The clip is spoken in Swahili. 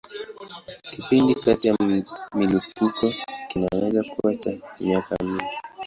Kipindi kati ya milipuko kinaweza kuwa cha miaka mingi.